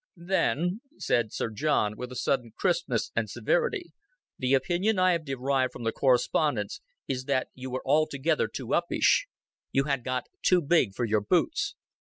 "Then," said Sir John, with a sudden crispness and severity, "the opinion I have derived from the correspondence is that you were altogether too uppish. You had got too big for your boots."